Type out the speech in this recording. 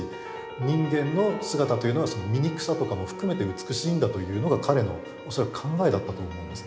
人間の姿というのは醜さとかも含めて美しいんだというのが彼の恐らく考えだったと思うんですね。